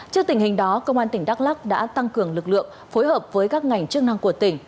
trước tình hình đó công an tỉnh đắk lắc đã tăng cường lực lượng phối hợp với các ngành chức năng của tỉnh